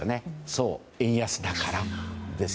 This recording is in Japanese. そう、円安だからです。